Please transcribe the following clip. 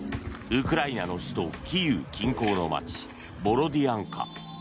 ウクライナの首都キーウ近郊の街ボロディアンカ。